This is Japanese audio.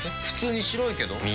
普通に白いけど。